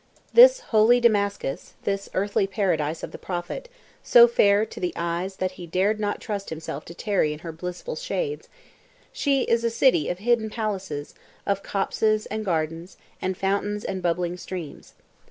This "holy" Damascus, this "earthly paradise" of the Prophet, so fair to the eyes that he dared not trust himself to tarry in her blissful shades, she is a city of hidden palaces, of copses and gardens, and fountains and bubbling streams.